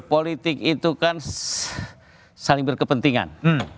politik itu kan saling berkepentingan